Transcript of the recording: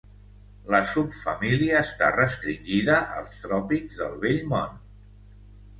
La subfamília està restringida als tròpics del Vell Món.